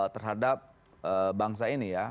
terhadap bangsa ini ya